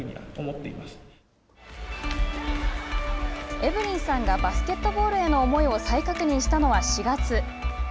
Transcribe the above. エブリンさんがバスケットボールへの思いを再確認したのは４月。